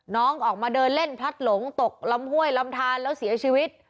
น้องออกมาเดินเล่นพลัดหลงตกลำห้วยลำทานแล้วเสียชีวิต